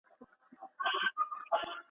زه له توره بخته د توبې غیرت نیولی وم.